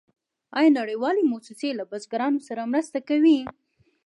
آیا نړیوالې موسسې له بزګرانو سره مرسته کوي؟